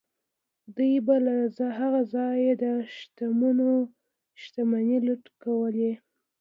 دوی به له هغه ځایه د شتمنو شتمنۍ لوټ کولې.